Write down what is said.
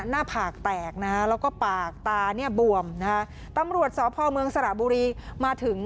หน้าผากแตกนะฮะแล้วก็ปากตาเนี่ยบวมนะฮะตำรวจสพเมืองสระบุรีมาถึง